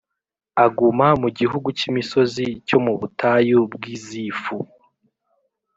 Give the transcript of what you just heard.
aguma mu gihugu cy’imisozi cyo mu butayu bw’i Zifu.